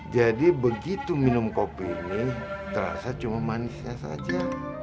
jadi begitu minum kopi ini terasa cuma manisnya saja